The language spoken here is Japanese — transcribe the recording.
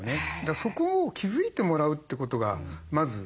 そこを気付いてもらうということがまず第一歩ですね。